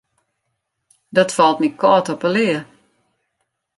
Dat falt my kâld op 'e lea.